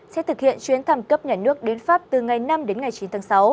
sẽ thực hiện chuyến thăm cấp nhà nước đến pháp từ ngày năm đến ngày chín tháng sáu